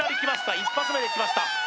１発目できました